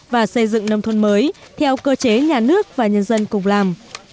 và xây dựng nông thôn mới theo cơ chế nhà nước và nhân dân cùng làm